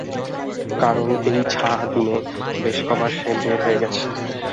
কারণ এই ছা দিনে বেশ কবার সে বের হয়ে গেছে।